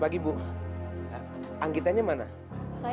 gunggul menangkap berarti